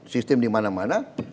sistem di mana mana